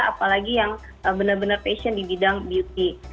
apalagi yang benar benar passion di bidang beauty